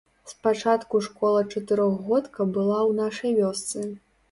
Спачатку школа-чатырохгодка была ў нашай вёсцы.